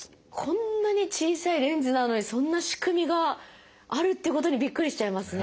こんなに小さいレンズなのにそんな仕組みがあるっていうことにびっくりしちゃいますね。